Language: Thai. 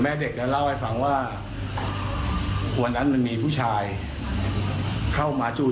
เด็กนั้นเล่าให้ฟังว่าวันนั้นมันมีผู้ชายเข้ามาช่วย